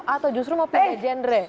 atau justru mau pilih genre